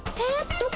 どこ？